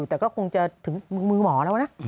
แต่ก็คงจะถึงมือหมอแล้วนะ